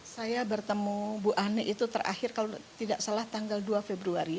saya bertemu bu ane itu terakhir kalau tidak salah tanggal dua februari